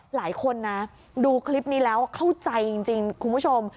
หลายคนนะดูคลิปนี้แล้วเข้าใจจริงคุณผู้ชม